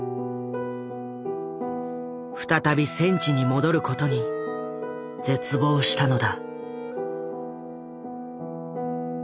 再び戦地に戻ることに絶望したのだ。